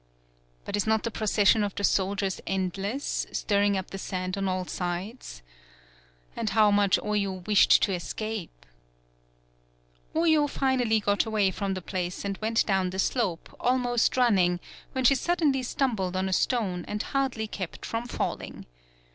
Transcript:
But is not the procession of the soldiers endless, stirring up the sand on all sides? And how much Oyo wished to escape ! Oyo finally got away from the place and went down the slope, almost run ning, when she suddenly stumbled on a stone and hardly kept from falling.